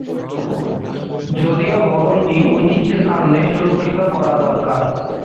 যদিও ভবনটি ঐতিহ্যের কারণে সুরক্ষিত করা দরকার।